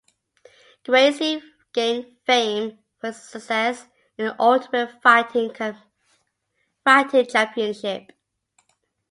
Gracie gained fame for his success in the Ultimate Fighting Championship.